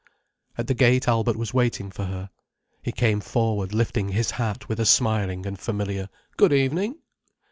At the gate Albert was waiting for her. He came forward lifting his hat with a smiling and familiar "Good evening!"